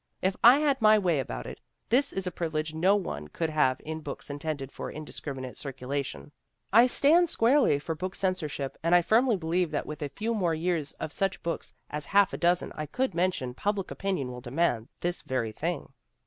If I had my way about it, this is a privi lege no one could have in books intended for indis criminate circulation. I stand squarely for book cen sorship, and I firmly believe that with a few more years of such books as half a dozen I could mention, public opinion will demand this very thing.